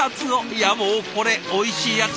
いやもうこれおいしいやつ。